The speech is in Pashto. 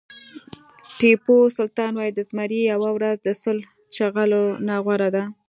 ټيپو سلطان وایي د زمري یوه ورځ د سل چغالو نه غوره ده.